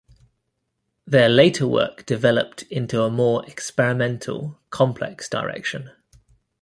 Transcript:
Their later work developed into a more experimental, complex direction.